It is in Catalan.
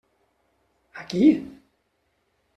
A qui?